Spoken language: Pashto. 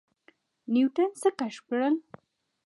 نیوټن څه کشف کړل؟